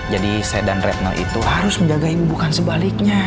jadi saya dan retno itu harus menjaga ibu bukan sebaliknya